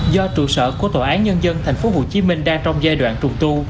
do trụ sở của tòa án nhân dân tp hcm đang trong giai đoạn trùng tu